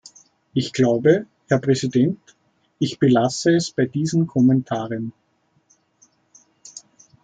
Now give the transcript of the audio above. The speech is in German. Ich glaube, Herr Präsident, ich belasse es bei diesen Kommentaren.